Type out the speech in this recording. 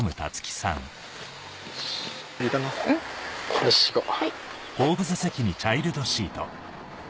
よし行こう。